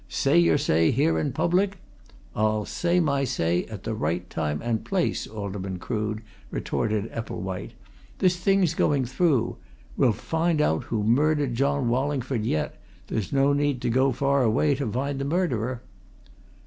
Say your say, here in public " "I'll say my say at the right time and place, Alderman Crood!" retorted Epplewhite. "This thing's going through! We'll find out who murdered John Wallingford yet there's no need to go far away to find the murderer!"